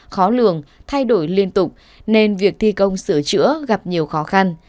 khó lường thay đổi liên tục nên việc thi công sửa chữa gặp nhiều khó khăn